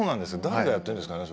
誰がやってんですかね